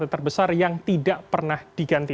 terbesar yang tidak pernah diganti